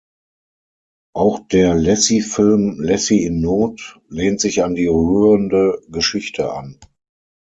Auch der Lassie-Film "Lassie in Not" lehnt sich an die rührende Geschichte an.